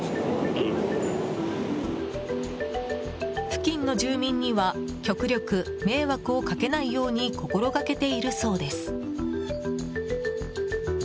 付近の住民には極力迷惑をかけないように心がけているそうです。